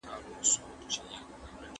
نا هیلي د شیطان کار دی.